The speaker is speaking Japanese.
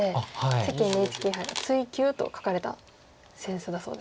関ＮＨＫ杯が「追求」と書かれた扇子だそうです。